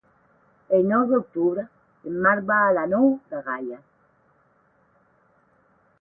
El nou d'octubre en Marc va a la Nou de Gaià.